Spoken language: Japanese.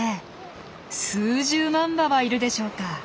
数十万羽はいるでしょうか。